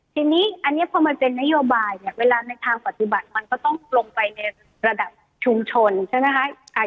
ทีนี้อันนี้พอมันเป็นนโยบายเนี่ยเวลาในทางปฏิบัติมันก็ต้องลงไปในระดับชุมชนใช่ไหมคะ